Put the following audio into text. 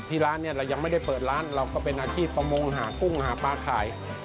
ที่ร้านไม่ได้เปิดเรือก็เป็นอาคีประโมงหากุ้งหาปลาขาย